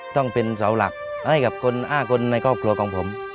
ต้องเป็นเสาหลักให้กับคน๕คนในครอบครัวของผม